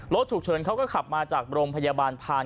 รถฉุกเฉินเขาก็ขับมาจากโรงพยาบาลผ่าน